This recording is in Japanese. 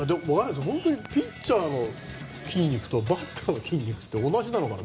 本当にピッチャーの筋肉とバッターの筋肉って同じなのかな？